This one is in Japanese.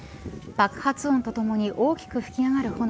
爆発音とともに大きく吹き上がる炎。